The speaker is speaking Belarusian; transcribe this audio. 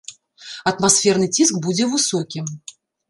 Атмасферны ціск будзе высокім.